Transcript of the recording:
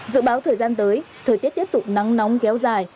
dự báo thời gian tới thời tiết tiếp tục nắng nóng kéo dài